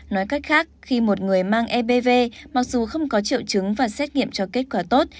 nói cách khác khi một người mang ebv mặc dù không có triệu chứng và xét nghiệm cho kết quả tốt